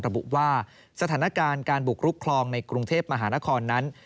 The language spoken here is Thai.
ระบุว่าสถานการณ์การบุกรุกคลองในกรุงเทพมหานครนั้น